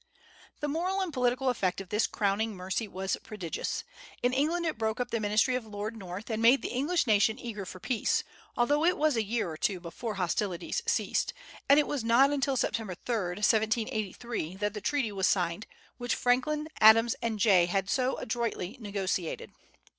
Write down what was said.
The moral and political effect of this "crowning mercy" was prodigious. In England it broke up the ministry of Lord North, and made the English nation eager for peace, although it was a year or two before hostilities ceased, and it was not until September 3, 1783, that the treaty was signed which Franklin, Adams, and Jay had so adroitly negotiated.